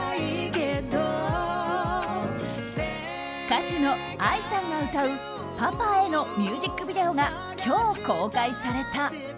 歌手のＡＩさんが歌う「パパへ」のミュージックビデオが今日公開された。